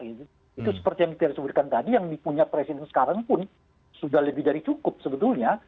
itu seperti yang kita sebutkan tadi yang dipunya presiden sekarang pun sudah lebih dari cukup sebetulnya